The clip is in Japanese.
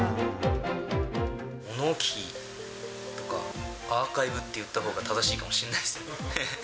物置とか、アーカイブっていったほうが正しいかもしれないっすね。